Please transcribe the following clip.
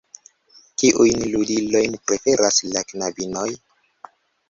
Kiujn ludilojn preferas la knabinoj?